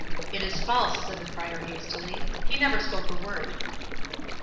—'" "It is false," said the Friar, hastily, "he never spoke a word."